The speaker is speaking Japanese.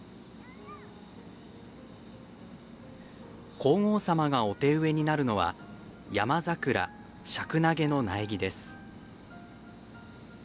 皇后さまがお手植えになるのはヤマザクラ、シャクナゲの苗木です。